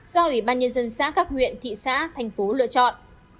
do ủy ban nhân dân xã các huyện thị xã thành phố lựa chọn